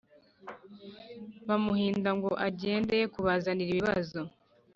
Bamuhinda ngo agende ye kubazanira ibibazo